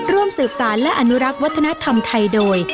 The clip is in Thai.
ร่วมสืบสารและอนุรักษ์วัฒนธรรมไทยโดย